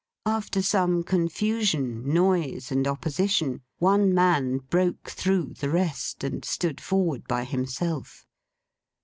After some confusion, noise, and opposition, one man broke through the rest, and stood forward by himself.